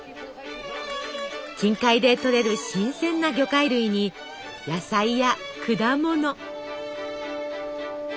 近海でとれる新鮮な魚介類に野菜や果物。